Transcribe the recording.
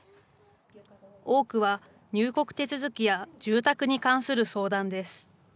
多くは、入国手続きや住宅に関する相談です。